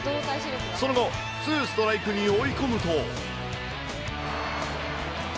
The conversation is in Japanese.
その後、ツーストライクに追い込むと。